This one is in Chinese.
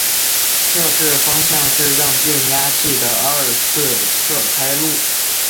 测试方式是让变压器的二次侧开路。